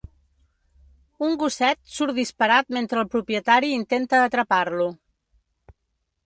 Un gosset surt disparat mentre el propietari intenta atrapar-lo.